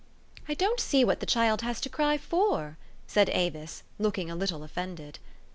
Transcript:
" I don't see what the child has to cry for !" said Avis, looking a little offended.